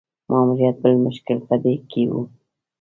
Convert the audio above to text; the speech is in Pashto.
ماموریت بل مشکل په دې کې وو.